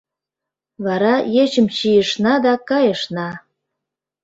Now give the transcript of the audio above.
Вара ечым чийышна да кайышна.